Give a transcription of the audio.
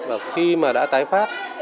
và khi mà đã tái phát